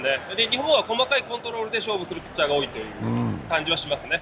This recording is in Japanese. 日本は細かいコントロールで勝負来るピッチャーが多い感じがしますね。